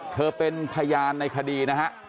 เธอเป็นพยานในคดีนะฮะ